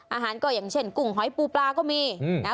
อาหารก็อย่างเช่นกุ้งหอยปูปลาก็มีนะ